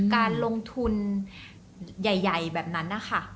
การลงทุนใหญ่แบบนั้น